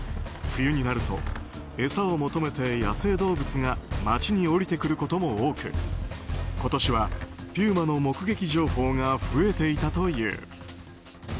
冬になると餌を求めて野生動物が街に降りてくることも多く今年はピューマの目撃情報が増えていたという。